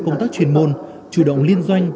công tác truyền môn chủ động liên doanh